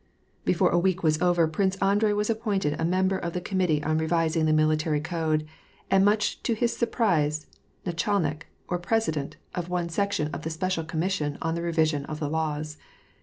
■ Before a week was over, Prince Andrei was appointed a member of the Committee on Revising the Military Code, aud, much to his surprise, ndchalnlkj or president, of one section of the Special Commission on the Revision of the Laws.